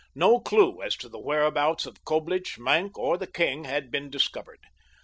No clue as to the whereabouts of Coblich, Maenck or the king had been discovered.